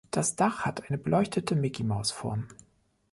Das Dach hat eine beleuchtete Micky-Maus-Form.